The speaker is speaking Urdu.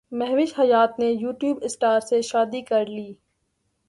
مہوش حیات نے یوٹیوب اسٹار سے شادی کرلی